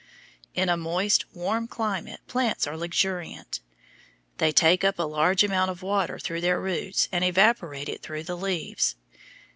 In a moist, warm climate plants are luxuriant; they take up a large amount of water through their roots and evaporate it through the leaves.